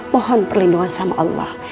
mohon perlindungan sama allah